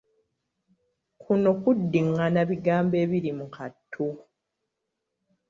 Kuno kuddiηηana bigambo ebiri mu kattu.